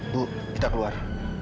bu kita keluar